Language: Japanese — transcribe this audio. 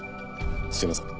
すいません。